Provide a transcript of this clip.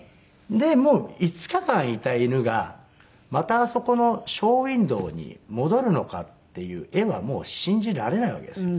でもう５日間いた犬がまたあそこのショーウィンドーに戻るのかっていう画はもう信じられないわけですよ。